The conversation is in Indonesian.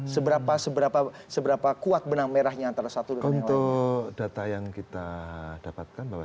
seberapa seberapa seberapa kuat benang merahnya antara satu untuk data yang kita dapatkan bahwa